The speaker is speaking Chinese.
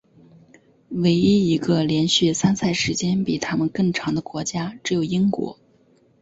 唯一一个连续参赛时间比他们更长的国家只有英国。